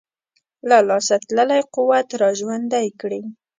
له لاسه تللی قوت را ژوندی کړي.